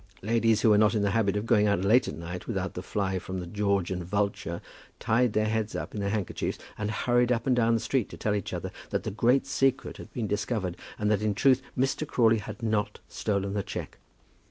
Ladies who were not in the habit of going out late at night without the fly from the "George and Vulture," tied their heads up in their handkerchiefs, and hurried up and down the street to tell each other that the great secret had been discovered, and that in truth Mr. Crawley had not stolen the cheque.